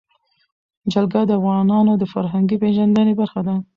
جلګه د افغانانو د فرهنګي پیژندنې برخه ده.